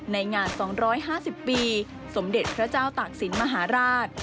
ในงาน๒๕๐ปีสมเด็จพระเจ้าตากศิลป์มหาราช